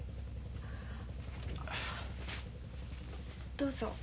どうぞ。